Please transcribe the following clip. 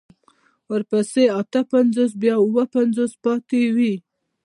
ورپسې اته پنځوس بيا اوه پنځوس پاتې وي.